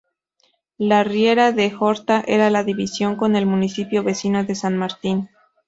La riera de Horta era la división con el municipio vecino de San Martín.